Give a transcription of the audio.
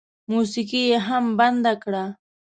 موسيقي یې هم بنده کړه.